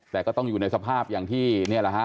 แต่ก็ต้องอยู่ในสภาพอย่างที่นี่แหละฮะ